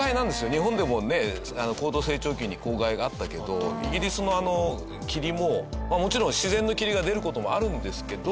日本でもね高度成長期に公害があったけどイギリスのあの霧もまあもちろん自然の霧が出る事もあるんですけど。